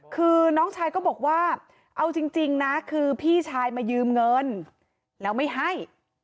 คือน้องชายก็บอกว่าเอาจริงนะคือพี่ชายมายืมเงินแล้วไม่ให้